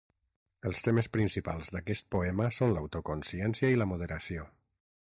Els temes principals d'aquest poema són l'autoconsciència i la moderació.